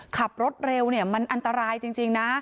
ขับรถเร็วเนี่ยมันอันตรายจริงนะ